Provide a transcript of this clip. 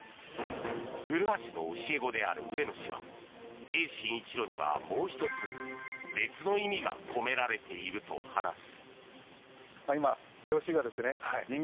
古橋の教え子である上野氏は泳心一路にはもう１つ、別の意味が込められていると話す。